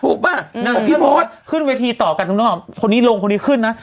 ป่ะนางบอกพี่มดขึ้นเวทีต่อกันตรงนู้นคนนี้ลงคนนี้ขึ้นนะ